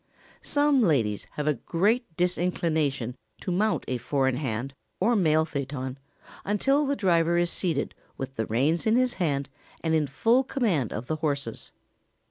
] Some ladies have a great disinclination to mount a four in hand or mail phaeton until the driver is seated with the reins in his hand and in full command of the horses.